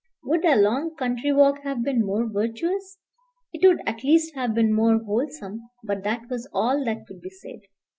Would a long country walk have been more virtuous? It would at least have been more wholesome; but that was all that could be said.